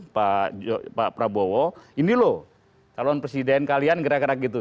pak prabowo ini loh calon presiden kalian gerak gerak gitu